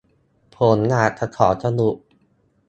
ผมอยากจะขอสรุป